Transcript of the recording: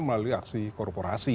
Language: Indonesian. melalui aksi korporasi